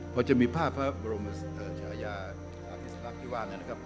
พอจะมีภาพพระบรมชายาอภิษลักษณ์ที่ว่านั้นนะครับ